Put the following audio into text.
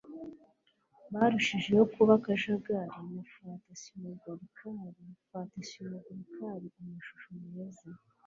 Barushijeho kuba akajagari na fantasmagorical phantasmagorical amashusho meza